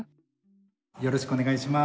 よろしくお願いします。